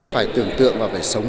phải tưởng tượng và phải sống